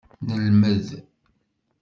Nelmed.